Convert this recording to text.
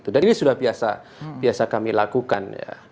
dan ini sudah biasa kami lakukan